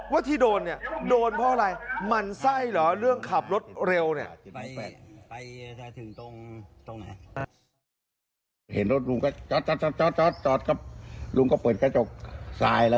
ว่าที่โดนเนี่ยโดนเพราะอะไรหมั่นไส้เหรอเรื่องขับรถเร็วเนี่ย